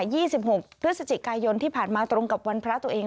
สิบหกพฤศจิกายนที่ผ่านมาตรงกับวันพระตัวเอง